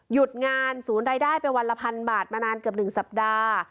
หยุดงานศูนย์รายได้ไปวันละพันบาทมานานเกือบ๑สัปดาห์